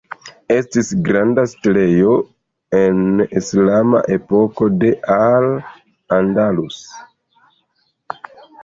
Estis grava setlejo en islama epoko de Al Andalus.